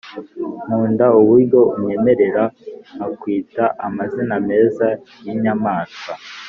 nkunda uburyo unyemerera nkakwita amazina meza yinyamanswa